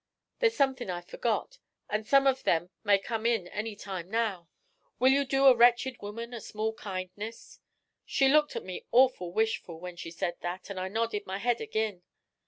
There's somethin' I forgot, an' some of them may come in any time now. Will you do a wretched woman a small kindness?" She looked at me awful wishful when she said that, an' I nodded my head ag'in.